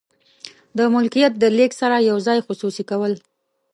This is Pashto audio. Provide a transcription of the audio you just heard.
د ملکیت د لیږد سره یو ځای خصوصي کول.